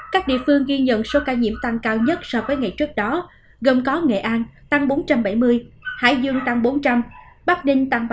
các địa phương ghi nhận số ca nhiễm tăng cao nhất so với ngày trước đó gồm có nghệ an tăng bốn trăm bảy mươi hải dương tăng bốn trăm linh bắc đinh tăng ba trăm tám mươi bảy